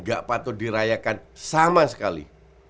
gak patut dirayakan sama sekali